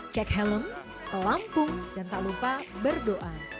cek helm pelampung dan tak lupa berdoa